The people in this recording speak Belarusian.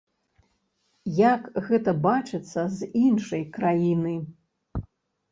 Як гэта бачыцца з іншай краіны?